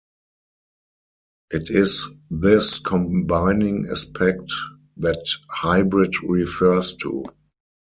It is this combining aspect that "hybrid" refers to.